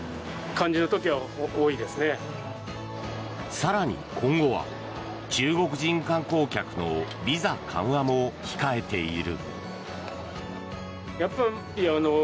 更に今後は中国人観光客のビザ緩和も控えている。